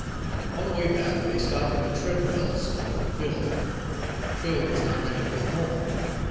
On the way back they stopped at the Treadwells' for Phil. Phil was not ready to go home.